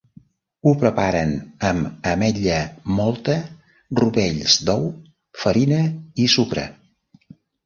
Ho preparen amb ametlla mòlta, rovells d’ou, farina i sucre.